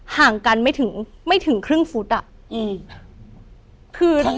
ห่างกันไม่ถึงไม่ถึงครึ่งฟุตอะ